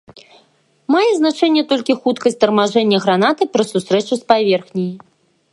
Мае значэнне толькі хуткасць тармажэння гранаты пры сустрэчы с паверхняй.